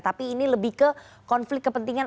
tapi ini lebih ke konflik kepentingan